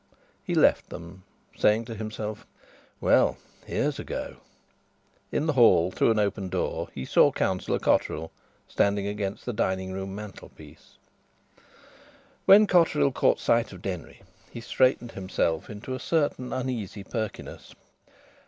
He left them, saying to himself: "Well, here's a go!" In the hall, through an open door, he saw Councillor Cotterill standing against the dining room mantelpiece. When Cotterill caught sight of Denry he straightened himself into a certain uneasy perkiness.